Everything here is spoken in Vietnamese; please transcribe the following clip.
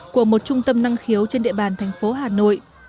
của một trung tâm năng khiếu trên địa bàn thành phố hà nội